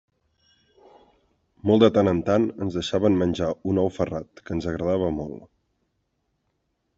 Molt de tant en tant ens deixaven menjar un ou ferrat, que ens agradava molt.